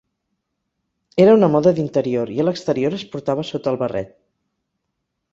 Era una moda d'interior, i a l'exterior es portava sota el barret.